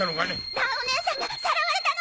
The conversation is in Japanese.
蘭お姉さんがさらわれたの！